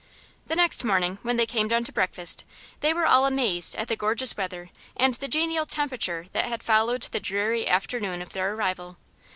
The next morning when they came down to breakfast they were all amazed at the gorgeous sunshine and the genial temperature that had followed the dreary afternoon of their arrival.